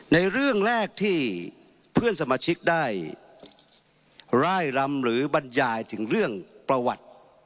ในเรื่องแรกที่เพื่อนสมาชิกได้ร่ายรำหรือบรรยายถึงเรื่องประวัติ